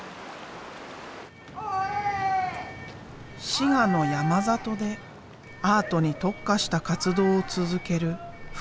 滋賀の山里でアートに特化した活動を続ける福祉施設がある。